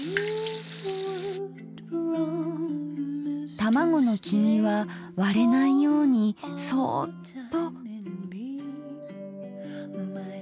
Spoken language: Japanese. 卵の黄身は割れないようにそっと。